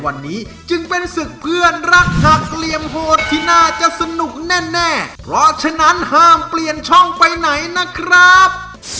อักเลียมโพธิน่าจะสนุกแน่เพราะฉะนั้นห้ามเปลี่ยนช่องไปไหนนะครับ